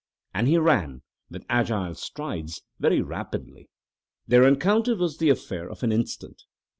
And he ran, with agile strides, very rapidly. Their encounter was the affair of an instant.